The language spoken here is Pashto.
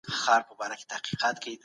که هره ورځ لږ مطالعه وکړو نو عادت جوړېږي.